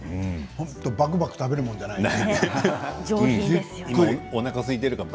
ばくばく食べるもんじゃないね。